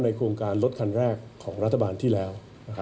โครงการรถคันแรกของรัฐบาลที่แล้ว